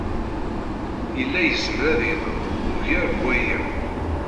Yella yezmer ad yeḍru ugar n waya!